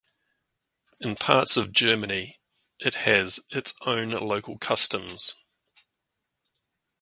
In parts of Germany, it has its own local customs.